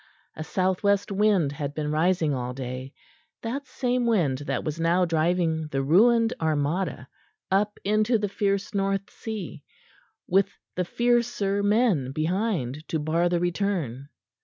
A south west wind had been rising all day, that same wind that was now driving the ruined Armada up into the fierce North Sea, with the fiercer men behind to bar the return.